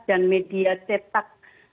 dan media setak